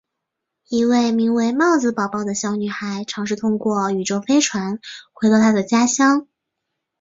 一位名为帽子宝宝的小女孩尝试通过宇宙飞船回到她的家乡。